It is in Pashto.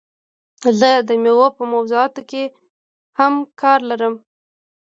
زه د میوو په موضوعاتو کې هم کار کړی.